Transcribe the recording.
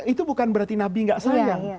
itu bukan berarti nabi gak sayang